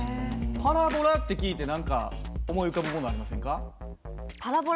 パラボラって聞いて何か思い浮かぶものありませんか？